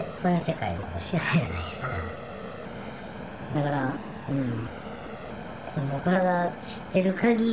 だからうん。